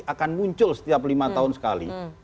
akan muncul setiap lima tahun sekali